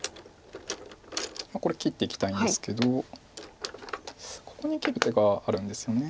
これ切っていきたいんですけどここに切る手があるんですよね。